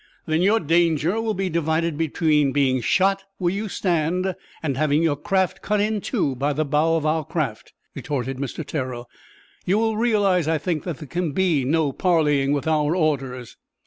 "Then your danger will be divided between being shot where you stand and having your craft cut in two by the bow of our craft," retorted Mr. Terrell. "You will realize, I think, that there can be no parleying with our orders."